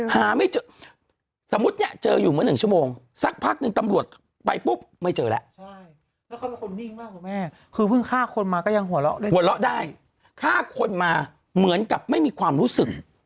ฆ่าคนมาก็ยังหัวเราะได้หัวเราะได้ฆ่าคนมาเหมือนกับไม่มีความรู้สึก